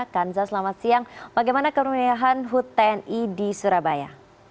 kanza selamat siang bagaimana kemeriahan hut tni di surabaya